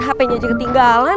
hpnya aja ketinggalan